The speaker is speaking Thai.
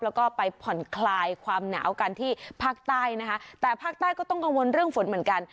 แล้วก็ไปผ่อนคลายความหนาวกันที่ภาคใต้นะคะแต่ภาคใต้ก็ต้องกังวลเรื่องฝนเหมือนกัน